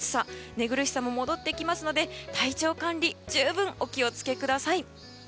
寝苦しさも戻ってきますので体調管理十分お気をつけください。